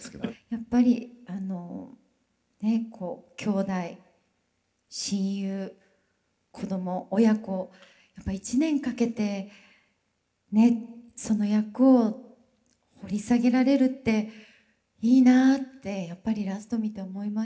やっぱりきょうだい親友子供親子１年かけてその役を掘り下げられるっていいなってやっぱりラスト見て思いました。